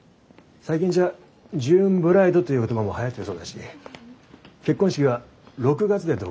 最近じゃジューンブライドという言葉もはやってるそうだし結婚式は６月でどうかね？